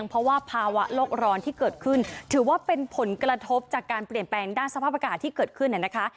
เพราะว่าภาวะโลกร้อนที่เกิดขึ้นถือว่าเป็นผลกระทบจากการเปลี่ยนแปลงด้านสภาพอากาศที่เกิดขึ้นนะคะ